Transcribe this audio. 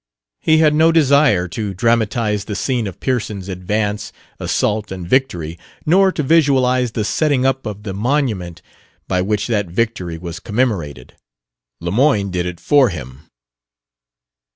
He had no desire to dramatize the scene of Pearson's advance, assault and victory, nor to visualize the setting up of the monument by which that victory was commemorated. Lemoyne did it for him.